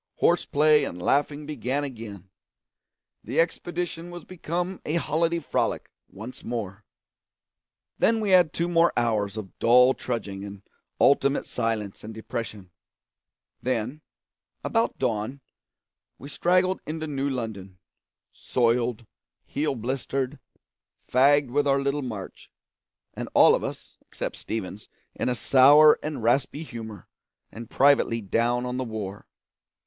Horse play and laughing began again; the expedition was become a holiday frolic once more. Then we had two more hours of dull trudging and ultimate silence and depression; then, about dawn, we straggled into New London, soiled, heel blistered, fagged with our little march, and all of us except Stevens in a sour and raspy humour and privately down on the war.